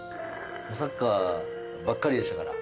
サッカーばっかりでしたから。